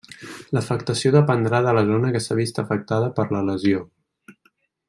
L'afectació dependrà de la zona que s'ha vist afectada per la lesió.